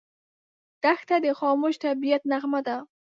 دښته د خاموش طبعیت نغمه ده.